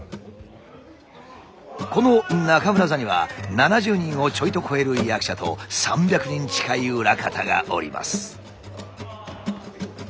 この中村座には７０人をちょいと超える役者と３００人近い裏方がおります。